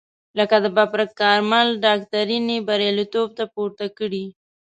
لکه د ببرک کارمل دکترین یې بریالیتوب ته پورته کړی.